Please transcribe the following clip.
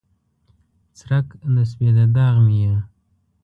څرک د سپیده داغ مې یې